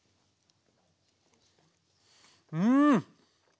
うん！